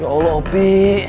ya allah opi